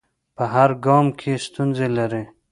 په هر ګام کې ستونزې لري.